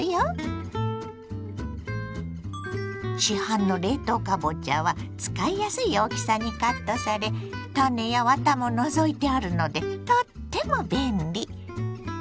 市販の冷凍かぼちゃは使いやすい大きさにカットされ種やワタも除いてあるのでとっても便利。